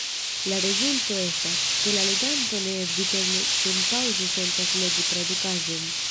La rezulto estas, ke la leganto neeviteble senpaŭze sentas legi tradukaĵon.